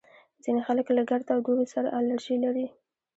ځینې خلک له ګرد او دوړو سره الرژي لري